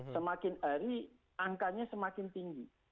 semakin hari angkanya semakin tinggi